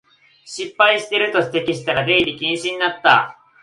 失敗してると指摘したら出入り禁止になった